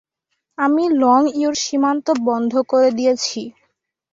আমি লংইউর সীমান্ত বন্ধ করে দিয়েছি।